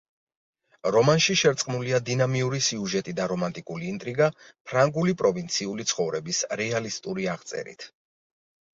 რომანში შერწყმულია დინამიური სიუჟეტი და რომანტიკული ინტრიგა ფრანგული პროვინციული ცხოვრების რეალისტური აღწერით.